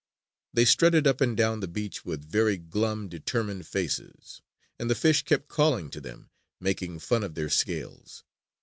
They strutted up and down the beach with very glum, determined faces; and the fish kept calling to them, making fun of their scales.